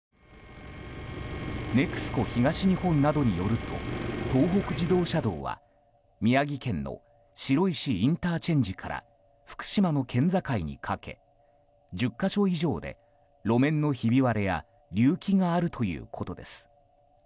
ＮＥＸＣＯ東日本などによると東北自動車道は宮城県の白石ＩＣから福島の県境にかけ１０か所以上で路面のひび割れや隆起があるということです。